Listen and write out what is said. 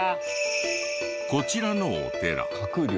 こちらのお寺。